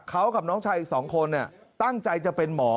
เขากับน้องชายอีก๒คนตั้งใจจะเป็นหมอ